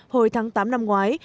hồi tháng tám năm ngoái